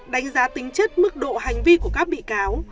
đánh giá tính chất mức độ hành vi của các bị cáo